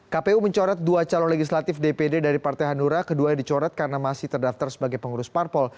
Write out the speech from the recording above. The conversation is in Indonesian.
kpu mencoret dua calon legislatif dpd dari partai hanura keduanya dicoret karena masih terdaftar sebagai pengurus parpol